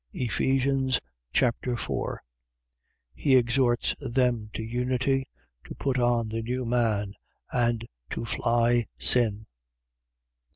Ephesians Chapter 4 He exhorts them to unity, to put on the new man, and to fly sin.